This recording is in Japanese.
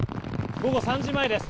午後３時前です。